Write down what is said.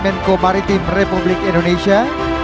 menko maritim republik indonesia